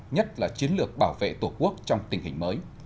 nhất là chiến lược bảo vệ tổ quốc trong tình hình mới